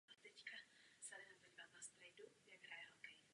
V Evropě a Austrálii také zůstal převážně neznámý.